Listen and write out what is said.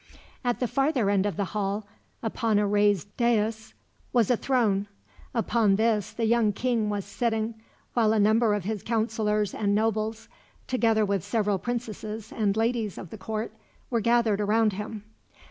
At the farther end of the hall, upon a raised dais, was a throne. Upon this the young king was sitting, while a number of his counselors and nobles, together with several princesses and ladies of the court, were gathered around him.